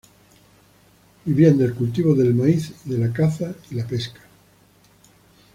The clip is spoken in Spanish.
Vivían del cultivo del maíz y de la caza y la pesca.